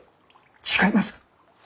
違います！